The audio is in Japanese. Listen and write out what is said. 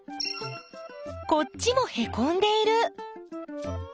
こっちもへこんでいる！